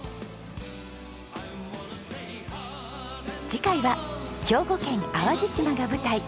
次回は兵庫県淡路島が舞台。